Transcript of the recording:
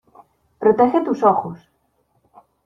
¡ Protege tus ojos!